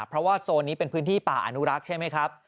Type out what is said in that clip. เพราะว่าโซนนี้เป็นพื้นที่ป่าอนุรักษ์ใช่ไหมครับ